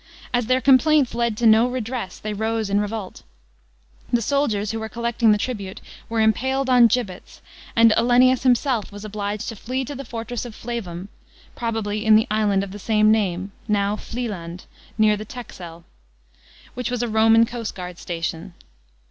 As their complaints led to no redress, they rose in revolt. The soldiers, who were collecting the tribute, were impaled on gibbets, and Olennius himself was obliged to flee to the fortress of Flevum — probably in the island of the same name, now Vlieland, near the Texei — which was a Roman coastguard station.